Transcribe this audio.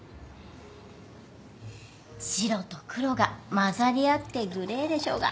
白と黒が混ざり合ってグレーでしょうが。